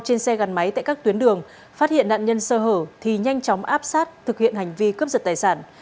trên xe gắn máy tại các tuyến đường phát hiện nạn nhân sơ hở thì nhanh chóng áp sát thực hiện hành vi cướp giật tài sản